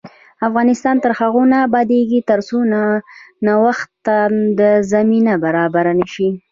افغانستان تر هغو نه ابادیږي، ترڅو نوښت ته زمینه برابره نشي.